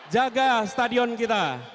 jaga stadion kita